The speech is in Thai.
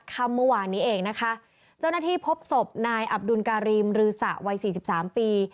คำเมื่อวานนี้เองนะคะเจ้าหน้าที่พบศพนายอับดุลการีมรือสะวัยสี่สิบสามปี